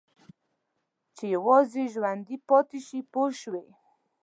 چې یوازې ژوندي پاتې شي پوه شوې!.